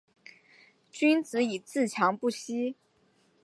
君子以自强不息